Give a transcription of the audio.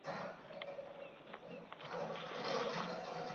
越剧演员列表是一个包含不同时期越剧演员的列表。